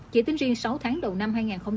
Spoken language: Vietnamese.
chỉ tính riêng sáu tháng đầu năm hai nghìn hai mươi